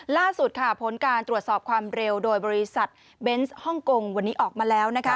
ล่าสุดค่ะผลการตรวจสอบความเร็วโดยบริษัทเบนส์ฮ่องกงวันนี้ออกมาแล้วนะคะ